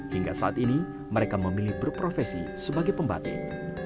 hingga saat ini mereka memilih berprofesi sebagai pembatik